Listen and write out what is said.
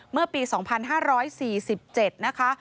เมื่อปี๒๕๔๗นะคะ